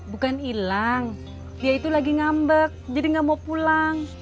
bukan hilang dia itu lagi ngambek jadi gak mau pulang